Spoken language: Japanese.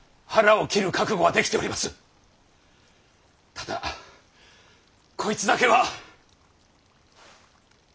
ただこいつだけは！